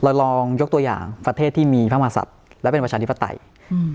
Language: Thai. เราลองยกตัวอย่างประเทศที่มีภาษัทและเป็นประชาธิปไตยอืม